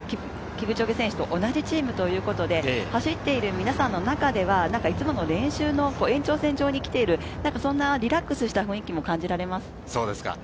ペースメーカーの２番、３番の選手もキプチョゲ選手と同じチームということで走ってる皆さんの中ではいつもの練習の延長線上に来ている、そんなリラックスした雰囲気も感じられます。